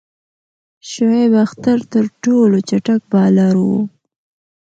شعیب اختر تر ټولو چټک بالر وو.